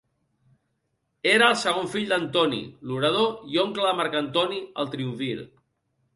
Era el segon fill d'Antoni l'orador i oncle de Marc Antoni el triumvir.